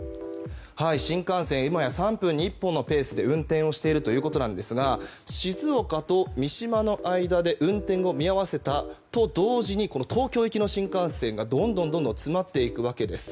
新幹線、今や３分に１本のペースで運転をしているということなんですが静岡と三島の間で運転を見合わせたと同時にこの東京行きの新幹線がどんどん詰まっていくわけです。